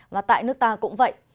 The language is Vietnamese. và tại nước ta cũng vậy